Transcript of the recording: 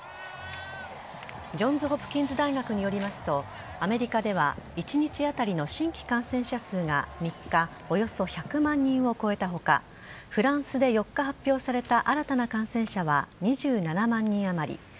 ジョンズ・ホプキンズ大学によりますと、アメリカでは１日当たりの新規感染者数が３日、およそ１００万人を超えたほか、フランスで４日発表された新たな感染者は２７万人余り。